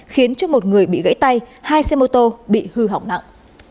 khiến cho một người bị gãy tay hai xe mô tô bị hư hỏng nặng